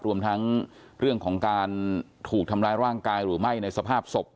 รวมทั้งเรื่องของการถูกทำร้ายร่างกายหรือไม่ในสภาพศพ